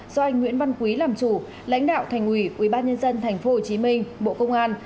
do anh nguyễn văn quý làm chủ lãnh đạo thành ủy ubnd tp hcm bộ công an